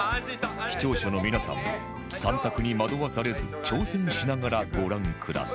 視聴者の皆さんも三択に惑わされずに挑戦しながらご覧ください